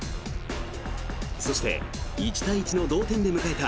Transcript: そして、１対１の同点で迎えた